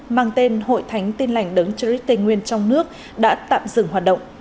mang tên hội thánh tin lành đấng trích tây nguyên trong nước đã tạm dừng hoạt động